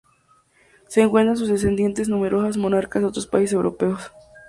Se cuentan entre sus descendientes numerosos monarcas de otros países europeos.